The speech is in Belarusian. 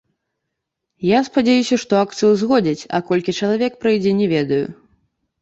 Я спадзяюся, што акцыю ўзгодняць, а колькі чалавек прыйдзе, не ведаю.